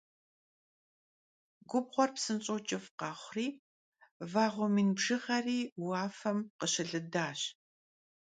Gubğuer psınş'eu ç'ıf' khexhuri, vağue min bjığeri vuafem khışılıdaş